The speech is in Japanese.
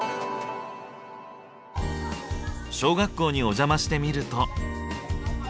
小学校にお邪魔してみると。